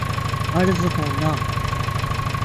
عرض ہونا